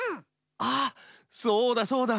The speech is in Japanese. ああそうだそうだ！